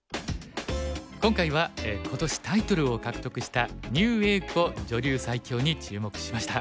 今回は今年タイトルを獲得した牛栄子女流最強に注目しました。